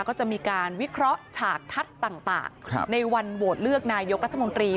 ก็จะมีการวิเคราะห์ฉากทัศน์ต่างในวันโหวตเลือกนายกรัฐมนตรี